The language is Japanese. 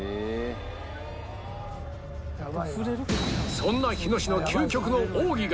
そんな日野氏の究極の奥義が